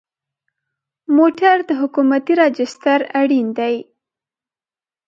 موټر د حکومتي راجسټر اړین دی.